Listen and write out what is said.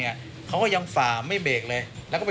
นี่ค่ะคุณผู้ชมพอเราคุยกับเพื่อนบ้านเสร็จแล้วนะน้า